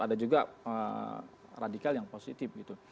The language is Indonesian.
ada juga radikal yang positif gitu